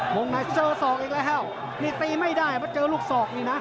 งในเจอศอกอีกแล้วนี่ตีไม่ได้เพราะเจอลูกศอกนี่นะ